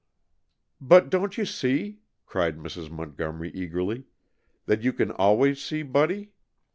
"But don't you see," cried Mrs. Montgomery eagerly, "that you can always see Buddy?